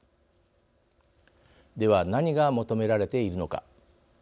では何が求められているのか。